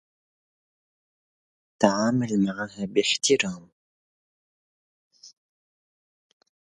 تعامل معها باحترام.